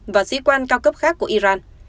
và sĩ quan cao cấp khác của iran